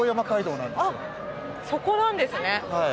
そこなんですね。